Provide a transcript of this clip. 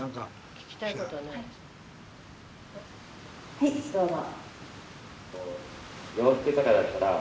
はいどうぞ。